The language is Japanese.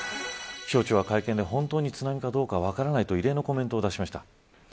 気象庁は会見で本当に津波かどうか分からないと異例のコメントを出しました。